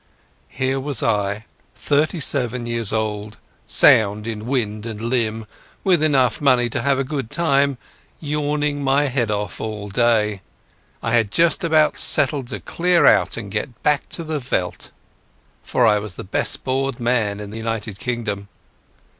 Here was I, thirty seven years old, sound in wind and limb, with enough money to have a good time, yawning my head off all day. I had just about settled to clear out and get back to the veld, for I was the best bored man in the United Kingdom.